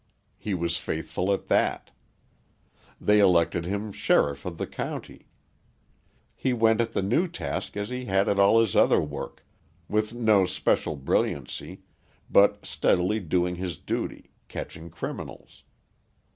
He was faithful at that. They elected him sheriff of the county. He went at the new task as he had at all his other work, with no especial brilliancy, but steadily doing his duty, catching criminals.